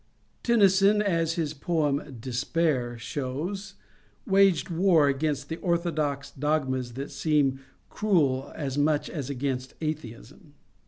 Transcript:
Tennyson, as his poem ^' Despair " shows, waged war against the orthodox dogmas that seem cruel as much as against athe ism.